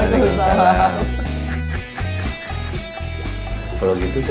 kalau begitu saya juga salamualaikum ya